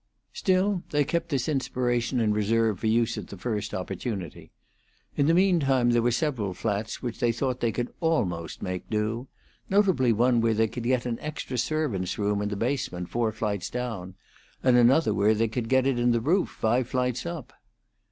Still they kept this inspiration in reserve for use at the first opportunity. In the mean time there were several flats which they thought they could almost make do: notably one where they could get an extra servant's room in the basement four flights down, and another where they could get it in the roof five flights up.